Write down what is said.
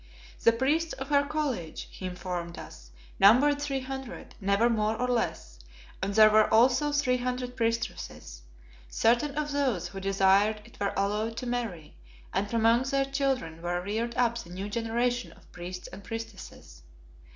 The priests of her College, he informed us, numbered three hundred, never more nor less, and there were also three hundred priestesses. Certain of those who desired it were allowed to marry, and from among their children were reared up the new generation of priests and priestesses.